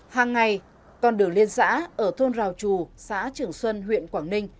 hàng ngày con đường liên xã ở thôn rào trù xã trường xuân huyện quảng ninh